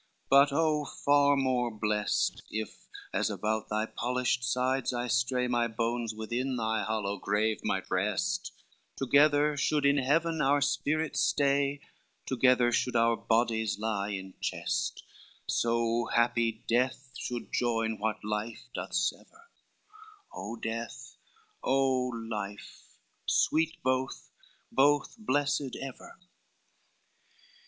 but oh far more blessed If as about thy polished sides I stray, My bones within thy hollow grave might rest, Together should in heaven our spirits stay, Together should our bodies lie in chest; So happy death should join what life doth sever, O Death, O Life! sweet both, both blessed ever."